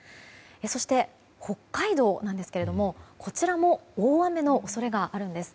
そして、北海道なんですけどもこちらも大雨の恐れがあるんです。